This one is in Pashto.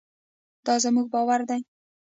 دا زموږ باور دی.